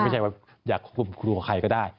ไม่ใช่ว่าอยากคุมครัวใครก็ได้